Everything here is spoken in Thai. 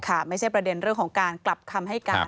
ไม่ใช่ประเด็นเรื่องของการกลับคำให้การ